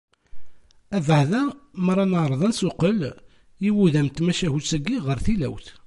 Abeɛda mi ara neɛreḍ ad nessuqqel iwudam n tmacahut-agi ɣer tillawt.